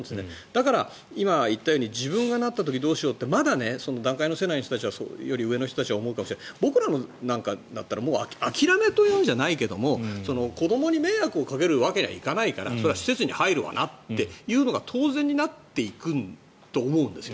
だから、今言ったように自分がなった時どうしようってまだ、団塊の世代やそれより上の人たちは僕らなんかだったらもう諦めというんじゃないけど子どもに迷惑をかけるわけにはいかないからそれは施設に入るわなというのが当然になっていくと思うんですよ。